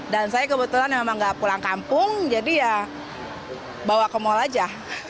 dan saya kebetulan memang gak pulang kampung jadi ya bawa ke mall aja